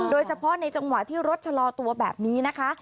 โดยเฉพาะในจังหวะที่รถชะลอตัวแบบนี้นะคะ